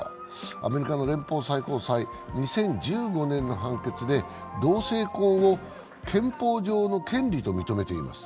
アメリカの連邦最高裁２０１５年の判決で同性婚を憲法上の権利と認めています。